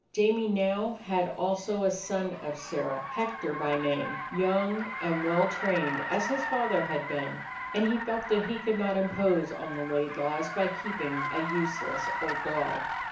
Jamie now had also a son of Sirrah, Hector by name; young, and well trained as his father had been, 93 DOG HEROES OF MANY LANDS and he felt that he could not impose on the Laidlaws by keeping a useless old dog.